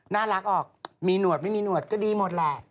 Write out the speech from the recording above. น่ารักออกมีหนวดไม่มีหวดก็ดีหมดแหละ